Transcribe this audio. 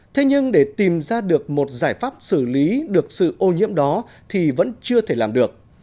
thế nhưng để tìm ra được một giải pháp xử lý được sự ô nhiễm đó thì vẫn chưa thể làm được